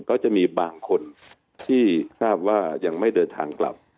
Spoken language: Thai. ก็จะมีบางคนที่ทราบว่ายังไม่เดินทางกลับ